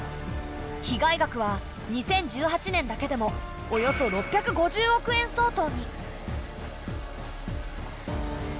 被害額は２０１８年だけでもおよそ６５０億円相当に。